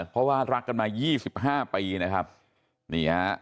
เพราะว่ารักกันมา๒๕ปีนะครับ